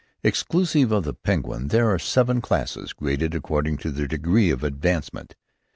Exclusive of the Penguin, there were seven classes, graded according to their degree of advancement.